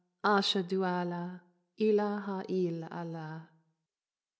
Ashâd du Allah, illah ha il Allah.